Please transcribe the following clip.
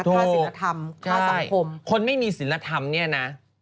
ค่าศิลธรรมค่าสังคมคนไม่มีศิลธรรมเนี่ยนะ